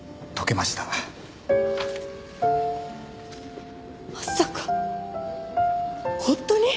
まさか本当に！？